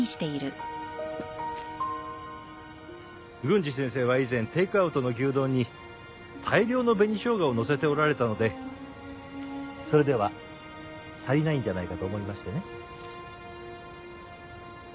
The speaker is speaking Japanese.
郡司先生は以前テイクアウトの牛丼に大量の紅しょうがをのせておられたのでそれでは足りないんじゃないかと思いましてね。